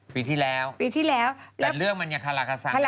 ปีที่แล้วแต่เรื่องมันยังฮาราคาซังอยู่ตรงเนี่ย